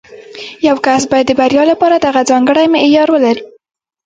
یو کس باید د بریا لپاره دغه ځانګړی معیار ولري